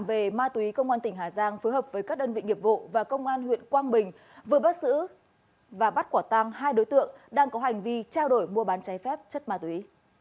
về ma túy công an tỉnh hà giang phối hợp với các đơn vị nghiệp vụ và công an huyện quang bình vừa bắt giữ và bắt quả tang hai đối tượng đang có hành vi trao đổi mua bán cháy phép chất ma túy